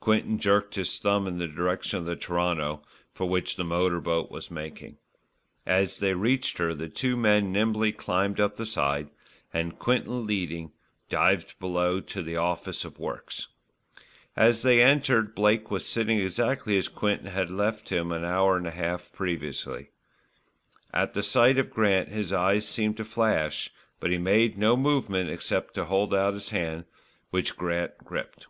Quinton jerked his thumb in the direction of the Toronto, for which the motor boat was making. As they reached her the two men nimbly climbed up the side and, Quinton leading, dived below to the office of works. As they entered Blake was sitting exactly as Quinton had left him an hour and a half previously. At the sight of Grant his eyes seemed to flash; but he made no movement except to hold out his hand, which Grant gripped.